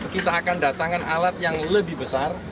kita akan datangkan alat yang lebih besar